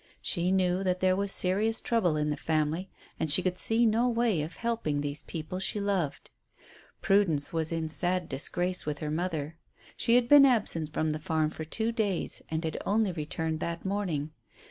She knew that there was serious trouble in the family, and she could see no way of helping these people she loved. Prudence was in sad disgrace with her mother; she had been absent from the farm for two days and had only returned that morning.